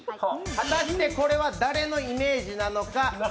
果たしてこれは誰のイメージなのか？